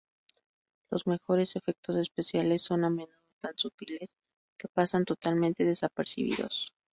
Los mejores efectos especiales son a menudo tan sutiles que pasan totalmente desapercibidos.